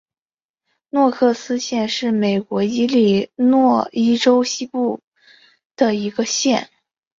诺克斯县是美国伊利诺伊州西北部的一个县。